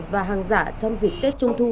và hàng giả trong dịp tết trung thu